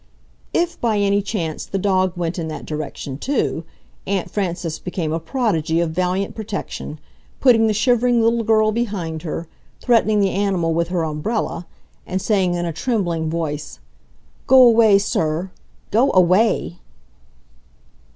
If by any chance the dog went in that direction too, Aunt Frances became a prodigy of valiant protection, putting the shivering little girl behind her, threatening the animal with her umbrella, and saying in a trembling voice, "Go away, sir! Go AWAY!"